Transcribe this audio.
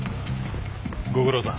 ご苦労さん。